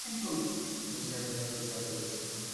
Mister mayor, ও চাল দিয়েছে।